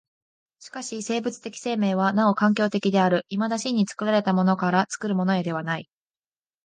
しかし生物的生命はなお環境的である、いまだ真に作られたものから作るものへではない。